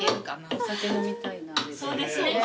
お酒飲みたいなあれで。